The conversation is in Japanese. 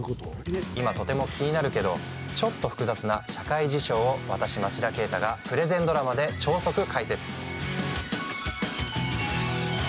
今、とても気になるけどちょっと複雑な社会事象を私、町田啓太がプレゼンドラマで超速解説。